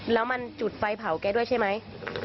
แล้วมันจุดไฟเผาแกด้วยใช่ไหม